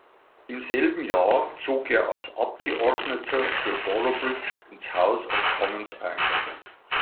Im selben Jahr zog er als Abgeordneter für Boroughbridge ins House of Commons ein.